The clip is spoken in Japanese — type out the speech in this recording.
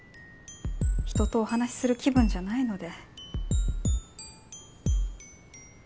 人とお話しする気分じゃないので。